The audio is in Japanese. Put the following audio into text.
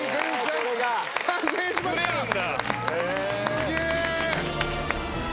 すげえ。